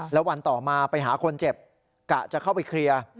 แล้ววันต่อมาไปหาคนเจ็บกะจะเข้าไปเคลียร์